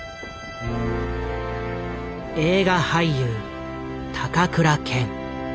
映画俳優高倉健。